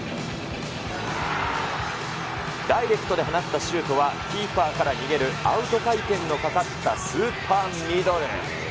ダイレクトで放ったシュートはキーパーから逃げるアウト回転のかかったスーパーミドル。